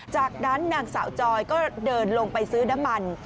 จากนั้นนางสาวจอยก็เดินลงไปซื้อน้ำมัน